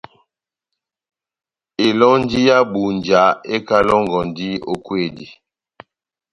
Elɔnji yá Ebunja ekalɔngɔndi ó kwedi.